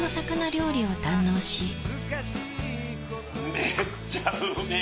めっちゃうめぇ！